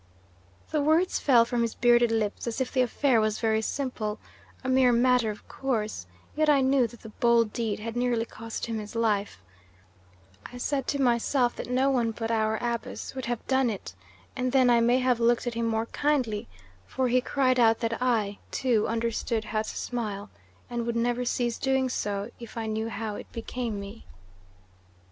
"The words fell from his bearded lips as if the affair was very simple, a mere matter of course, yet I knew that the bold deed had nearly cost him his life I said to myself that no one but our Abus would have done it, and then I may have looked at him more kindly, for he cried out that I, too, understood how to smile, and would never cease doing so if I knew how it became me.